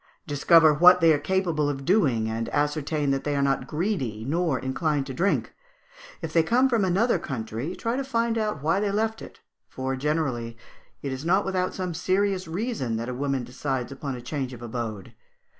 Discover what they are capable of doing; and ascertain that they are not greedy, or inclined to drink. If they come from another country, try to find out why they left it; for, generally, it is not without some serious reason that a woman decides upon a change of abode.